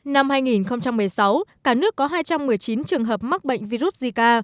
năm hai nghìn một mươi sáu cả nước có hai trăm một mươi chín trường hợp mắc bệnh virus zika